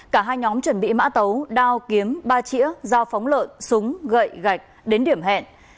cả hai nhóm chuẩn bị mã tấu đao kiếm ba chĩa dao phóng lợn súng gậy gạch đến điểm hẹn